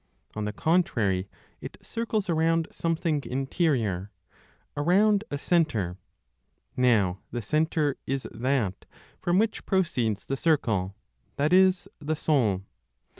On the contrary, it circles around something interior, around a centre. Now the centre is that from which proceeds the circle, that is, the soul.